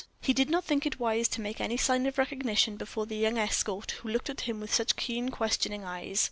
He did not think it wise to make any sign of recognition before the young escort who looked at him with such keen, questioning eyes.